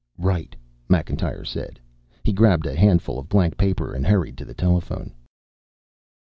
"Right," Macintyre said. He grabbed a handful of blank paper and hurried to the telephone.